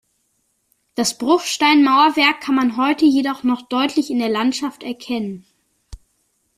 Das Bruchsteinmauerwerk kann man heute jedoch noch deutlich in der Landschaft erkennen.